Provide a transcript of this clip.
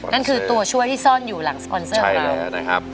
นั่นคือตัวช่วยที่ซ่อนอยู่หลังสปอนเซอร์ของเรานะครับ